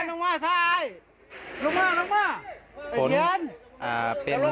ลงมาลงมาเทียน